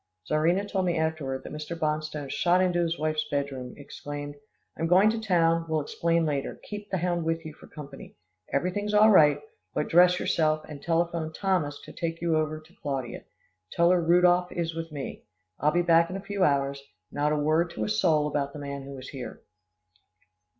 Czarina told me afterward that Mr. Bonstone shot into his wife's bed room, exclaimed, "I'm going to town will explain later. Keep the hound with you for company. Everything's all right, but dress yourself and telephone Thomas to take you over to Claudia. Tell her Rudolph is with me. We'll be back in a few hours. Not a word to a soul about the man who was here."